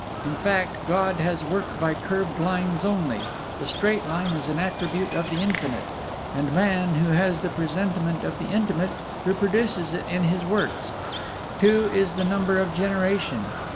In fact, God has worked by curved lines only: the Straight Line is an attribute of the Infinite; and man, who has the presentiment of the Infinite, reproduces it in his works. Two is the number of generation.